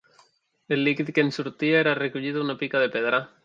El líquid que en sortia era recollit a una pica de pedra.